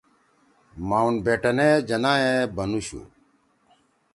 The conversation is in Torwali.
ماؤنٹ بیٹین ئے جناح ئے بنُوشُو۔